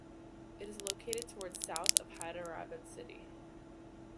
It is located towards South of Hyderabad city.